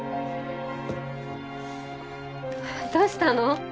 どうしたの？